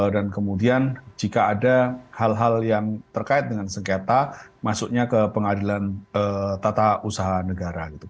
dan kemudian jika ada hal hal yang terkait dengan sengketa masuknya ke pengadilan tata usaha negara